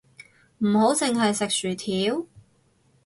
唔好淨係食薯條